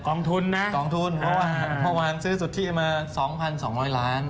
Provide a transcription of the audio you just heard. ทุนนะกองทุนเพราะว่าเมื่อวานซื้อสุทธิมา๒๒๐๐ล้าน